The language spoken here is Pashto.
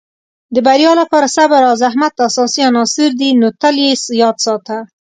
د بریا لپاره صبر او زحمت اساسي عناصر دي، نو تل یې یاد ساته.